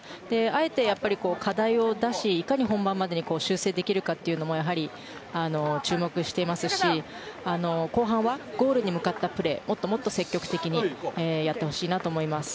あえて課題を出しいかに本番までに修正できるかというのも注目していますし後半はゴールに向かったプレーもっともっと積極的にやってほしいなと思います。